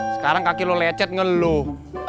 sekarang kaki lo lecet ngeluh